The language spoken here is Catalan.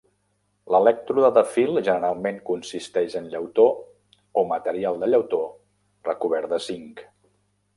L'elèctrode de fil generalment consisteix en llautó o material de llautó recobert de zinc.